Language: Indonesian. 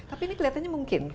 tapi ini kelihatannya mungkin